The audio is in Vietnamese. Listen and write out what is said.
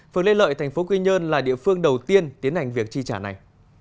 phường lê lợi thành phố quy nhơn là địa phương đầu tiên tiến hành việc chi trả này